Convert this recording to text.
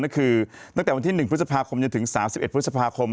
ก็คือตั้งแต่วันที่๑พฤษภาคมจนถึง๓๑พฤษภาคม